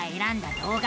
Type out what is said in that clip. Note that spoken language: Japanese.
動画